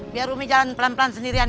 biar umi jalan pelan pelan sendirian ye